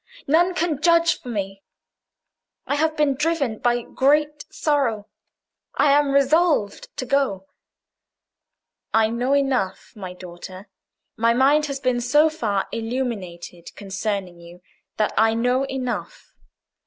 None can judge for me. I have been driven by great sorrow. I am resolved to go." "I know enough, my daughter: my mind has been so far illuminated concerning you, that I know enough.